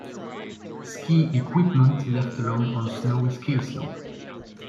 Ski equipment left alone on snowy ski slope